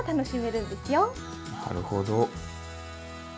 なるほど。